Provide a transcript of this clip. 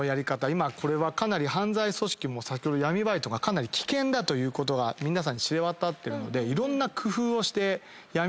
今これはかなり犯罪組織も闇バイトがかなり危険だということが皆さんに知れ渡ってるので。